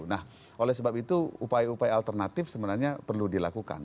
nah oleh sebab itu upaya upaya alternatif sebenarnya perlu dilakukan